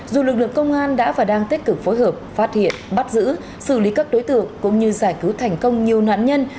dù lực lượng công an đã và đang tích cực phối hợp phát hiện bắt giữ xử lý các đối tượng cũng như giải cứu thành công nhiều nạn nhân